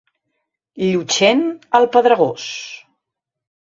Llutxent, el pedregós.